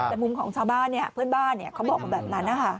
แต่มุมของชาวบ้านเพื่อนบ้านเขาบอกมาแบบนั้น